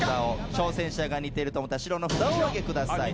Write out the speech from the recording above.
挑戦者が似てると思ったら白の札をお挙げください。